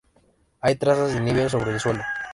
Hay trazas de nieve sobre el suelo.